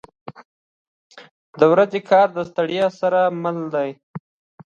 • د ورځې کار د ستړیا سره مل دی.